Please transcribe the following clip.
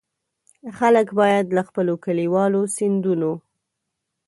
خلک باید له خپلو کلیوالو سیندونو.